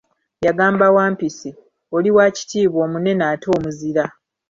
Yagamba Wampisi, oli wakitiibwa, omunene ate omuzira.